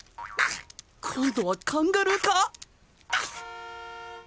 今度はカンガルー化！？